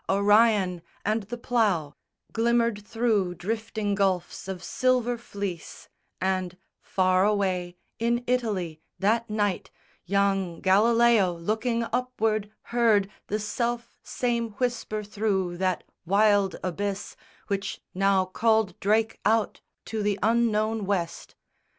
Orion and the Plough Glimmered through drifting gulfs of silver fleece, And, far away, in Italy, that night Young Galileo, looking upward, heard The self same whisper through that wild abyss Which now called Drake out to the unknown West.